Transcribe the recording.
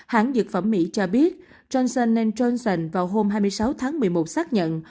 hãng dược phẩm mỹ cho biết johnson johnson vào hôm hai mươi sáu tháng một mươi một xác nhận